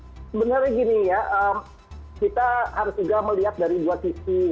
sebenarnya gini ya kita harus juga melihat dari dua sisi